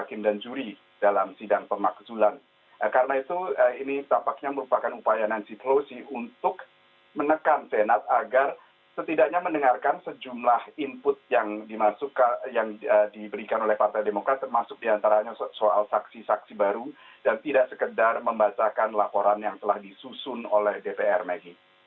karena itu ini tampaknya merupakan upaya nancy pelosi untuk menekan senat agar setidaknya mendengarkan sejumlah input yang diberikan oleh partai demokrat termasuk diantaranya soal saksi saksi baru dan tidak sekedar membacakan laporan yang telah disusun oleh dpr mh